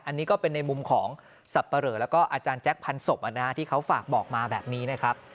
อันนี้ก็เป็นในมุมของสับปะเหลอแล้วก็อาจารย์แจ็คพันศพที่เขาฝากบอกมาแบบนี้นะครับ